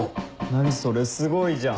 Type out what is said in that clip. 何それすごいじゃん。